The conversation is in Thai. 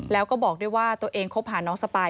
แล้วก็บอกด้วยว่าตัวเองคบหาน้องสปาย